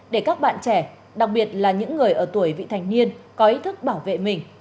để các bạn trẻ đặc biệt là những người ở tuổi vị thành niên có ý thức bảo vệ mình